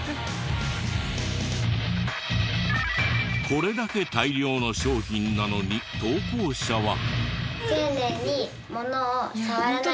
これだけ大量の商品なのに投稿者は。